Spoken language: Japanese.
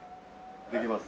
できます。